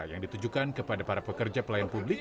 yang ditujukan kepada para pekerja pelayan publik